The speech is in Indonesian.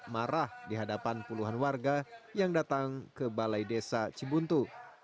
marah di hadapan puluhan warga yang datang ke balai desa cibuntu